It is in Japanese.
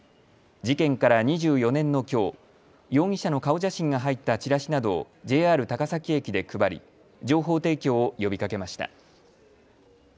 事件から２４年のきょう、容疑者の顔写真が入ったチラシなどをＪＲ高崎駅で配り情報提供を呼びかけました。